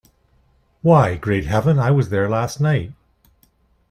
Why, great heaven, I was there last night!